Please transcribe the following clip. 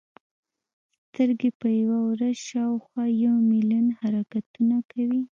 سترګې په یوه ورځ شاوخوا یو ملیون حرکتونه کوي.